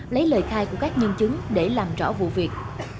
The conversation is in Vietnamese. lấy lời khai của các nhân chứng để làm rõ vụ việc